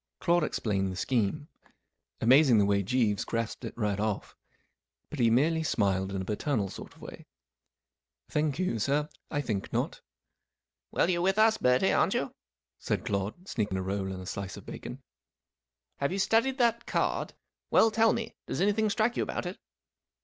Claude explained the scheme. Amazing the way Jeeves grasped it right off. But he merely smiled in a paternal sort of way. 41 Thank you, sir, I think not." 11 Well, you're with us, Bertie, aren't you ?" said Claude, sneaking a roll and a slice of bacon. 44 Have you studied that card ? Well, L tell me, does anything strike you about it